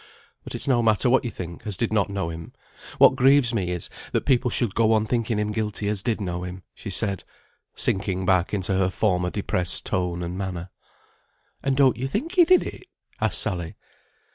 "But it's no matter what you think as did not know him. What grieves me is, that people should go on thinking him guilty as did know him," she said, sinking back into her former depressed tone and manner. "And don't you think he did it?" asked Sally.